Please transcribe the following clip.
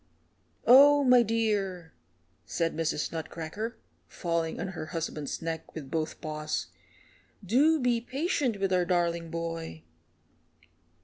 "Oh, my dear," sobbed Mrs. Nutcracker, falling on her husband's neck with both paws, "do be patient with our darling boy."